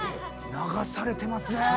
流されてますねえ。